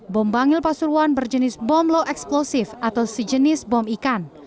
bom bangil pasuruan berjenis bom low explosive atau sejenis bom ikan